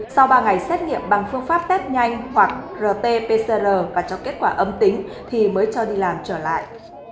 sau ba ngày xét nghiệm bằng phương pháp test nhanh hoặc rt pcr và cho kết quả âm tính thì mới cho đi làm trở lại